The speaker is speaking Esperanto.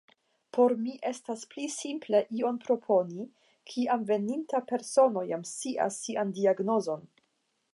Por mi estas pli simple ion proponi, kiam veninta persono jam scias sian diagnozon.